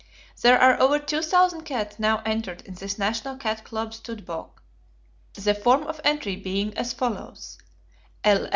There are over two thousand cats now entered in this National Cat Club Stud Book, the form of entry being as follows (L.